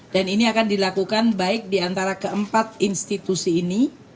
dan ini akan dilakukan baik di antara keempat institusi ini